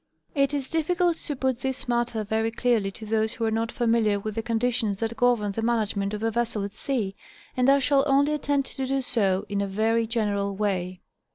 It is difficult to put this matter very clearly to those who are not familiar with the conditions that govern the management of a vessel at sea, and I shall only attempt to do so in a very general way.